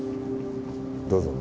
どうぞ。